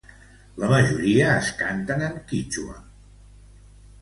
La majoria es canten en quítxua.